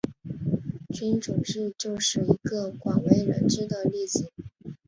君主制就是一个广为人知的例子。